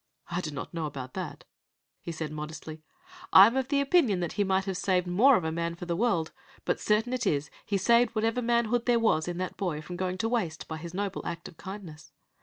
"I do not know about that," he said modestly. "I am of the opinion that he might have saved more of a man for the world; but certain it is, he saved whatever manhood there was in that boy from going to waste by his noble act of kindness.